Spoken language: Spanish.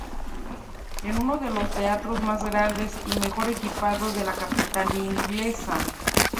Es uno de los teatros más grandes y mejor equipados de la capital inglesa.